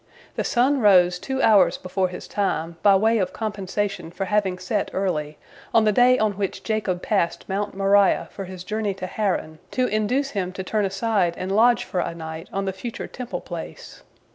The sun rose two hours before his time, by way of compensation for having set early, on the day on which Jacob passed Mount Moriah on his journey to Haran, to induce him to turn aside and lodge for a night on the future Temple place.